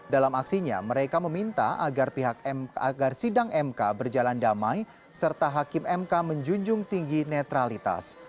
dalam aksinya mereka meminta agar sidang mk berjalan damai serta hakim mk menjunjung tinggi netralitas